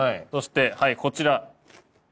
そしてはいこちら。